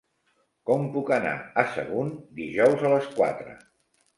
Com puc anar a Sagunt dijous a les quatre?